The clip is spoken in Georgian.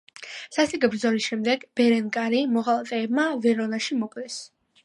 სასტიკი ბრძოლის შემდეგ, ბერენგარი მოღალატეებმა ვერონაში მოკლეს.